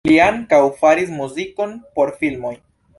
Li ankaŭ faris muzikon por filmoj.